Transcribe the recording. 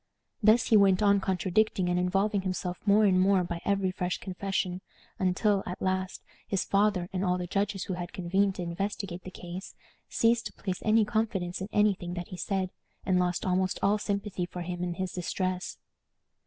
Thus he went on contradicting and involving himself more and more by every fresh confession, until, at last, his father, and all the judges who had convened to investigate the case, ceased to place any confidence in any thing that he said, and lost almost all sympathy for him in his distress.